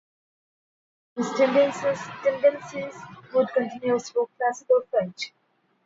These tendencies would continue through Classical French.